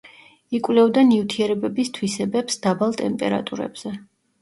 იკვლევდა ნივთიერებების თვისებებს დაბალ ტემპერატურებზე.